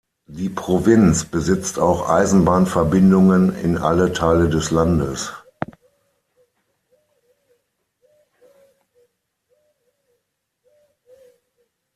Die Provinz besitzt auch Eisenbahnverbindungen in alle Teile des Landes.